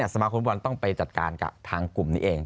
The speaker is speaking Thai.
ดังนั้นสมาคมพวกเราต้องไปจัดการกับทางกลุ่มนี้เอง